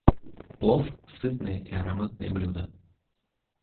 Плов - сытное и ароматное блюдо.